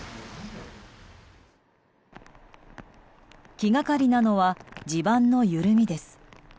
気がかりなのは地盤の緩みです。